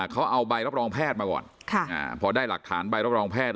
เขาเอาใบรับรองแพทย์มาก่อนพอได้หลักฐานใบรับรองแพทย์